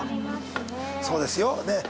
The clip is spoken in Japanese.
そうですよ